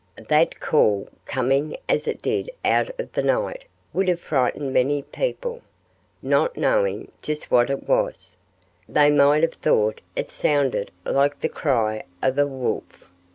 That call, coming as it did out of the night, would have frightened many people. Not knowing just what it was, they might have thought it sounded like the cry of a wolf.